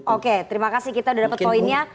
oke terima kasih kita sudah dapat poinnya